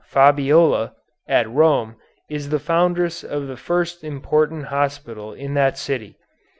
Fabiola, at Rome, is the foundress of the first important hospital in that city.